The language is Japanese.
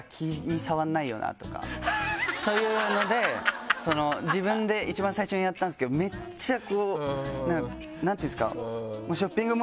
そういうので自分で一番最初にやったんですけどめっちゃこう何ていうんですか？